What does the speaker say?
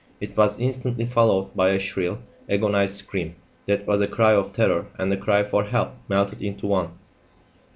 It was instantly followed by a shrill, agonised scream that was a cry of terror and a cry for help melted into one.